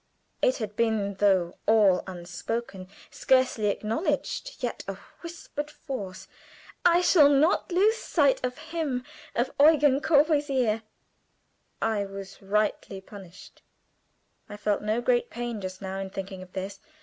It had been, though all unspoken, scarcely acknowledged yet a whispered force "I shall not lose sight of him of Eugen Courvoisier." I was rightly punished. I felt no great pain just now in thinking of this.